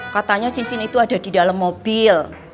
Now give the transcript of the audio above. katanya cincin itu ada di dalam mobil